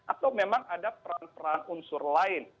atau memang ada peran peran unsur lain